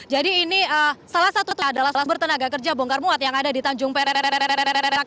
jadi ini salah satu adalah sumber tenaga kerja bongkar muat yang ada di tanjung pererererak